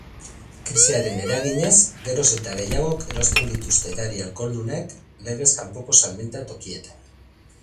Krisiaren eraginez geroz eta gehiagok erosten dituzte edari alkoholdunak legez kanpoko salmenta tokietan.